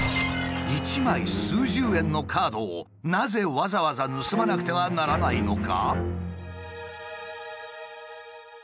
１枚数十円のカードをなぜわざわざ盗まなくてはならないのか？